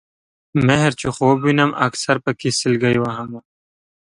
مِهر چې خوب وینم اکثر پکې سلګۍ وهمه